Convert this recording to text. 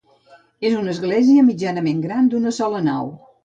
És una església mitjanament gran, d'una sola nau.